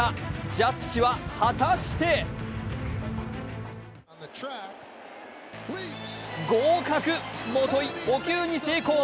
ジャッジは果たして合格、もとい捕球に成功。